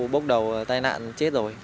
bốc đầu tài nạn chết rồi